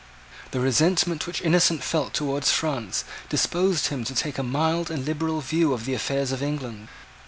The resentment which Innocent felt towards France disposed him to take a mild and liberal view of the affairs of England.